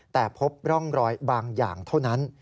แต่พบร่องรอยบางอย่างเท่านั้น